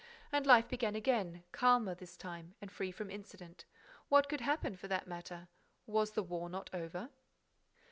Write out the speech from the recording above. And life began again, calmer, this time, and free from incident. What could happen, for that matter. Was the war not over?